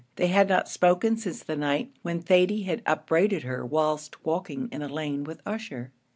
They had not spoken since the night when Thady had upbraided her whilst walking in the lane with Ussher.